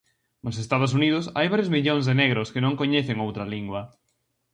Nos Estados Unidos hai varios millóns de negros que non coñecen outra lingua.